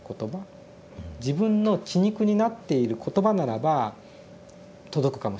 自分の血肉になっている言葉ならば届くかもしれない。